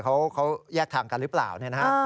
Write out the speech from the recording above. เขาแยกทางกันหรือเปล่าเนี่ยนะฮะ